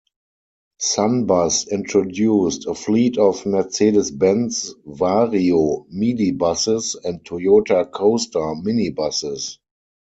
Sunbus introduced a fleet of Mercedes-Benz Vario midibuses and Toyota Coaster minibuses.